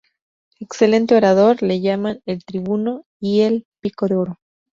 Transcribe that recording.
Excelente orador, le llamaban "El Tribuno" y el "Pico de Oro".